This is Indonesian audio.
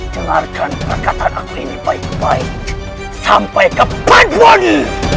dengarkan perkataan aku ini baik baik sampai kepadamu